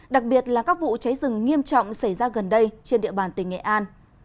đặc biệt là các vụ cháy rừng nghiêm trọng xảy ra gần đây trên địa bàn tỉnh nghệ an